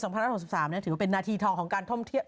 มันหอมมันติดติดกลิ่นไม่ได้